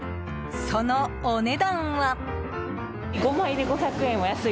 そのお値段は。